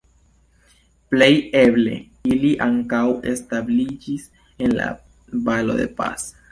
Plej eble, ili ankaŭ establiĝis en la Valo de Pas.